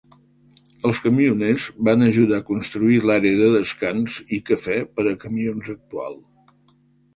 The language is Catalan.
Els camioners van ajudar a construir l'àrea de descans i cafè per a camions actual.